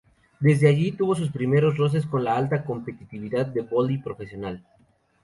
Desde allí tuvo sus primeros roces con la alta competitividad del voley profesional.